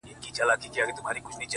چي مرور نه یم ـ چي در پُخلا سم تاته ـ